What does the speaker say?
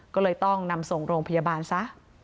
ก็เลยต้องนำส่งโรงพยาบาลซะ